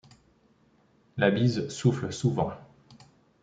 La bise souffle souvent.